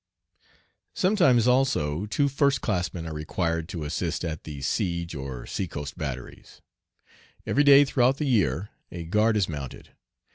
Sometimes also two first classmen are required to assist at the siege or sea coast batteries. Every day throughout the year a guard is mounted.